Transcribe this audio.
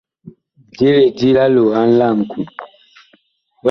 Je lidi la loohan la ŋku.